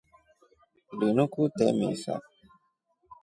Linu kutee misa.